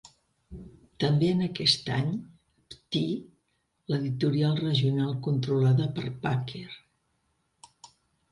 També en aquest any, Pty, l'editorial regional controlada per Packer.